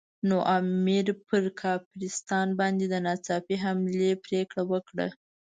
نو امیر پر کافرستان باندې د ناڅاپي حملې پرېکړه وکړه.